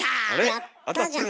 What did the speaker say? やったじゃん。